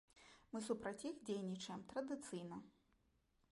Мы супраць іх дзейнічаем традыцыйна.